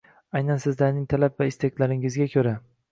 Aynan sizlarning talab va istaklaringizga ko‘ra